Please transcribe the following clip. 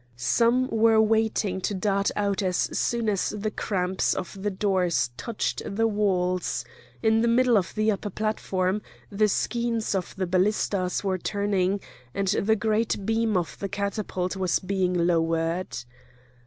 Some were waiting to dart out as soon as the cramps of the doors touched the walls; in the middle of the upper platform the skeins of the ballistas were turning, and the great beam of the catapult was being lowered.